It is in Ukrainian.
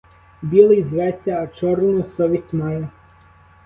Білий зветься, а чорну совість має.